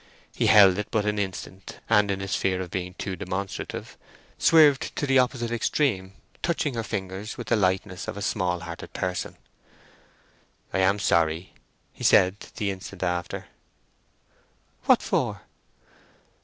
He held it but an instant, and in his fear of being too demonstrative, swerved to the opposite extreme, touching her fingers with the lightness of a small hearted person. "I am sorry," he said the instant after. "What for?"